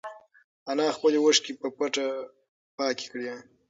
انا خپلې اوښکې په پټه پاکې کړې.